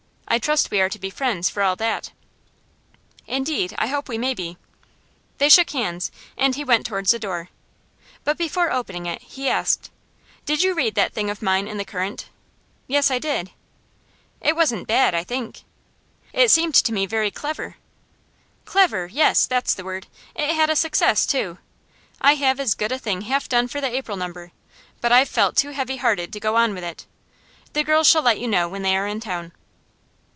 I trust we are to be friends, for all that?' 'Indeed, I hope we may be.' They shook hands, and he went towards the door. But before opening it, he asked: 'Did you read that thing of mine in The Current?' 'Yes, I did.' 'It wasn't bad, I think?' 'It seemed to me very clever.' 'Clever yes, that's the word. It had a success, too. I have as good a thing half done for the April number, but I've felt too heavy hearted to go on with it. The girls shall let you know when they are in town.